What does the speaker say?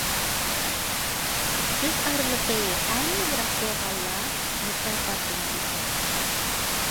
ئۇچۇش ئارىلىقى ئەڭ يىراق بولغانلار مۇكاپاتلىنىدىكەن.